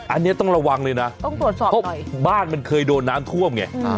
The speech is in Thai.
อันนี้ต้องระวังเลยนะบ้านมันเคยโดนน้ำท่วมไง